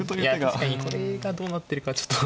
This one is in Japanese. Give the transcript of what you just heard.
確かにこれがどうなってるかちょっと。